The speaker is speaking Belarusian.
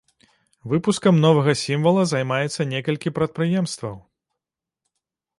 Выпускам новага сімвала займаецца некалькі прадпрыемстваў.